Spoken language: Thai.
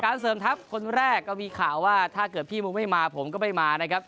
เสริมทัพคนแรกก็มีข่าวว่าถ้าเกิดพี่มูไม่มาผมก็ไม่มานะครับ